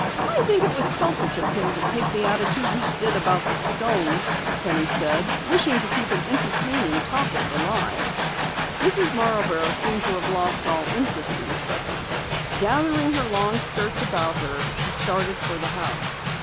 "I think it was selfish of him to take the attitude he did about the stone," Penny said, wishing to keep an entertaining topic alive. Mrs. Marborough seemed to have lost all interest in the subject. Gathering her long skirts about her, she started for the house.